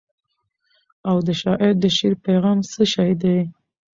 او د شاعر د شعر پیغام څه شی دی؟.